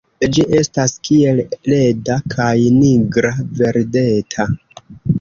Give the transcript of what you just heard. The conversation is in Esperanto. Ĝi estas kiel leda, kaj nigra-verdeta.